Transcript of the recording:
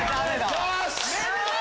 よし！